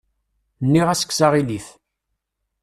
Nniɣ-as kkes aɣilif.